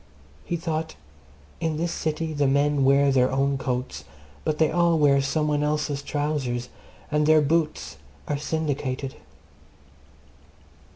He thought In this city the men wear their own coats, but they all wear some one else's trousers, and their boots are syndicated.